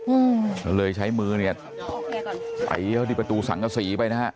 อืมก็เลยใช้มือเนี่ยไปเข้าที่ประตูสังกษีไปนะฮะ